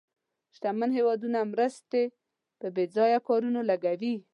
شتمن هېوادونه مرستې په بې ځایه کارونو لګوي.